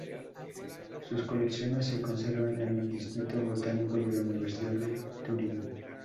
Sus colecciones se conservan en el Instituto botánico de la Universidad de Turín.